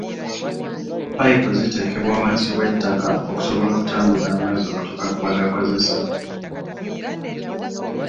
Payipu ziteekebwa wansi w'ettaka okusobola okutambuza amazzi okutuuka ku bagakozesa.